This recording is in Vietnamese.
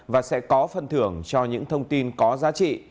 và sẽ có phần thưởng cho những thông tin có giá trị